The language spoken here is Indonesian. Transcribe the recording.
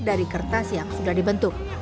dari kertas gambar